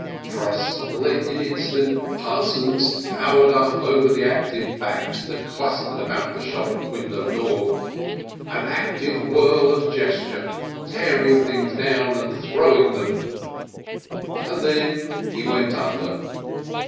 For a splendid instant Parsons towered up over the active backs that clustered about the shop window door, an active whirl of gesture, tearing things down and throwing them, and then he went under.